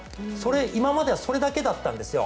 今まではそれだけだったんですよ。